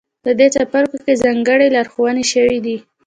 په دې څپرکو کې ځانګړې لارښوونې شوې دي.